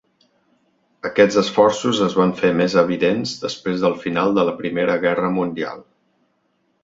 Aquests esforços es van fer més evidents després del final de la Primera Guerra Mundial.